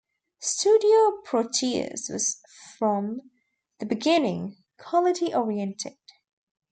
Studio Proteus was, from the beginning, quality oriented.